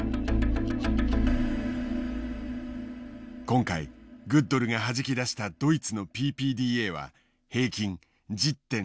今回グッドルがはじき出したドイツのＰＰＤＡは平均１０．０７。